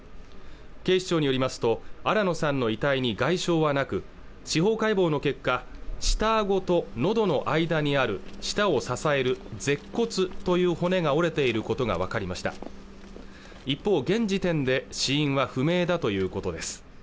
警視庁によりますと新野さんの遺体に外傷はなく司法解剖の結果、下顎と喉の間にある舌を支える舌骨という骨が折れていることが分かりました一方、現時点で死因は不明だということです